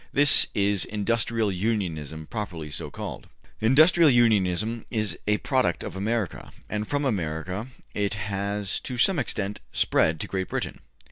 This is Industrial Unionism properly so called. ``World of Labour,'' pp. 212, 213. Industrial unionism is a product of America, and from America it has to some extent spread to Great Britain.